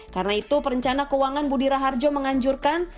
karena itu perencana keuangan budira harjo menganjurkan